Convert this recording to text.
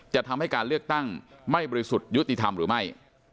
จะทำให้การเลือกตั้งไม่บริสุทธิ์ยุติธรรมหรือไม่